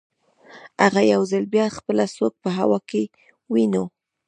هغه یو ځل بیا خپله سوک په هوا کې ونیو